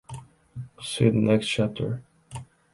See the next chapter.